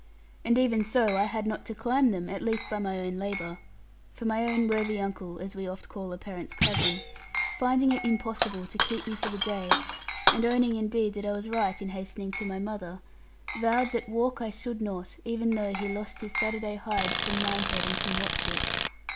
And even so, I had not to climb them, at least by my own labour. For my most worthy uncle (as we oft call a parent's cousin), finding it impossible to keep me for the day, and owning indeed that I was right in hastening to my mother, vowed that walk I should not, even though he lost his Saturday hides from Minehead and from Watchett.